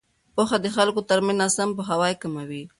پوهه د خلکو ترمنځ ناسم پوهاوی کموي.